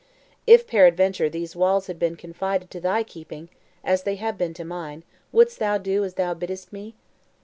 If peradventure these walls had been confided to thy keeping, as they have been to mine, wouldst thou do as thou biddest me?"